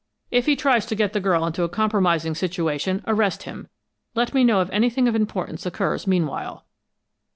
If he tries to get the girl into a compromising situation, arrest him. Let me know if anything of importance occurs meanwhile."